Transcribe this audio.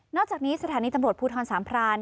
อกจากนี้สถานีตำรวจภูทรสามพราน